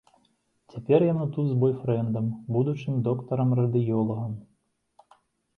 Цяпер яна тут з бойфрэндам, будучым доктарам-радыёлагам.